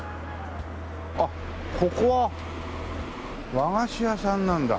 あっここは和菓子屋さんなんだ。